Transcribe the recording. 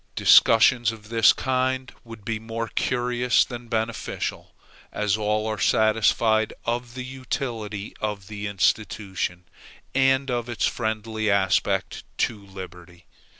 Discussions of this kind would be more curious than beneficial, as all are satisfied of the utility of the institution, and of its friendly aspect to liberty.